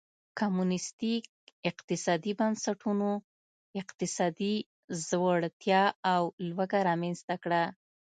کمونېستي اقتصادي بنسټونو اقتصادي ځوړتیا او لوږه رامنځته کړه.